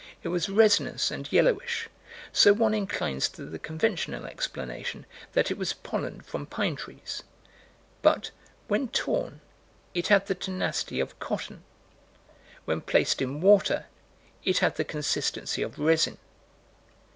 It was resinous and yellowish: so one inclines to the conventional explanation that it was pollen from pine trees but, when torn, it had the tenacity of cotton. When placed in water, it had the consistency of resin.